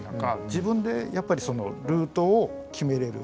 自分でやっぱりそのルートを決めれる。